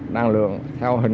đang lường theo hình